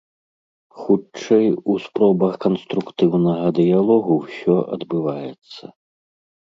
Хутчэй, у спробах канструктыўнага дыялогу ўсё адбываецца.